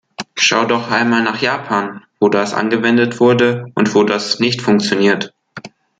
Schau doch einmal nach Japan, wo das angewendet wurde und wo das nicht funktioniert!